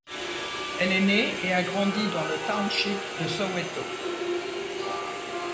Elle est née et a grandi dans le township de Soweto.